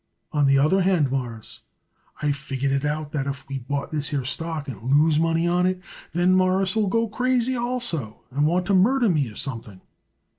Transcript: On the other hand, Mawruss, I figured it out that if we bought this here stock and lose money on it, then Mawruss'll go crazy also, and want to murder me or something."